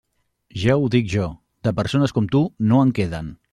Ja ho dic jo; de persones com tu, no en queden.